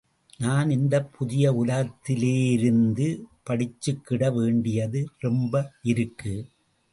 நான் இந்தப் புதிய உலகத்திலேருந்து படிச்சுக்கிட வேண்டியது ரொம்ப இருக்கு.